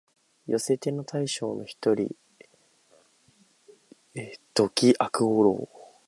寄せ手の大将の一人、土岐悪五郎